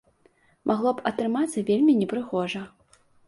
Магло б атрымацца вельмі непрыгожа.